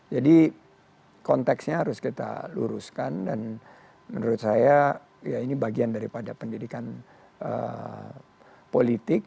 jadi konteksnya harus kita luruskan dan menurut saya ya ini bagian daripada pendidikan politik